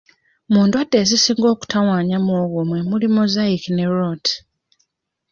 Mu ndwadde ezisinga okutawaanya muwogo mwe muli Mosaic ne Rot.